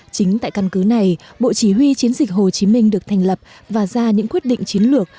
chính tại căn cứ này bộ chỉ huy chiến dịch hồ chí minh được thành lập và ra những quyết định chiến lược